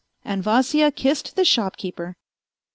..." And Vasya kissed the shopkeeper.